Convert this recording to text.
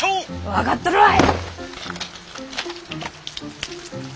分かっとるわい！